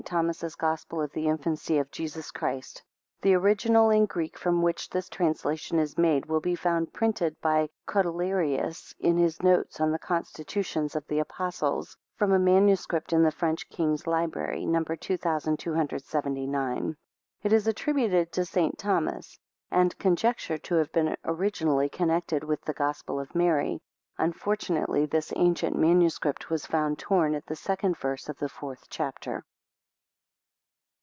THOMAS'S GOSPEL OF THE INFANCY OF JESUS CHRIST. [The original in Greek, from which this translation is made, will be found printed by Cotelerius, in his notes on the constitutions of the Apostles, from a MS. in the French King's Library, No. 2279. It is attributed to St. Thomas, and conjectured to have been originally connected with the, Gospel of Mary. Unfortunately this ancient MS. was found torn at the second verse of the fourth chapter.